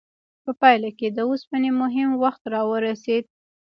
په پایله کې د اوسپنې مهم وخت راورسید.